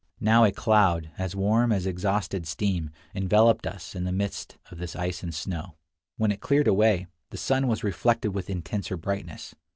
Now a cloud, as warm as exhausted steam, enveloped us in the midst of this ice and snow. When it cleared away, the sun was reflected with intenser brightness.